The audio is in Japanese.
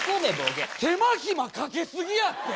いや手間暇かけすぎやって。